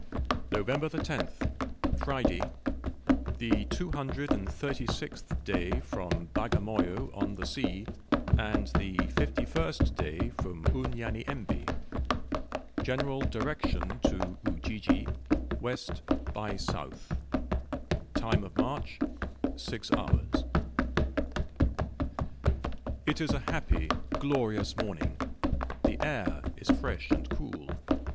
November 10th. Friday. The 236th day from Bagamoyo on the Sea, and the 51st day from Unyanyembe. General direction to Ujiji, west by south. Time of march, six hours. It is a happy, glorious morning. The air is fresh and cool.